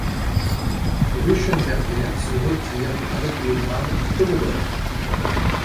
Ruschenberger se retire avec le grade commodore.